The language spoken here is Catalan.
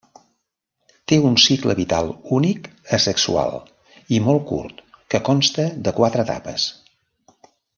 Té un cicle vital únic asexual i molt curt que consta de quatre etapes.